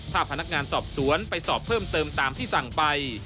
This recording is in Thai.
ถ้าพนักงานสอบสวนไปสอบเพิ่มเติมตามที่สั่งไป